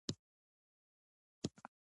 دا شیان د ټېغونو او بد بوی سبب ګرځي.